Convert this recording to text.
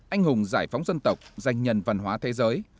anh hùng giải phóng dân tộc danh nhân văn hóa thế giới